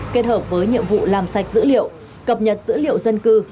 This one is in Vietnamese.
kết hợp với nhiệm vụ làm sạch dữ liệu cập nhật dữ liệu dân cư